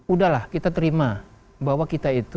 udahlah kita terima bahwa kita itu